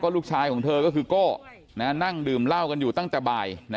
ลูกชายของเธอก็คือโก้นั่งดื่มเหล้ากันอยู่ตั้งแต่บ่าย